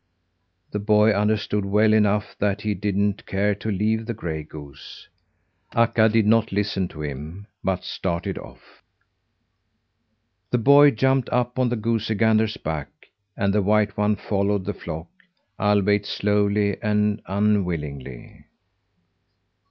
The boy understood well enough that he didn't care to leave the gray goose. Akka did not listen to him, but started off. The boy jumped up on the goosey gander's back, and the white one followed the flock albeit slowly and unwillingly.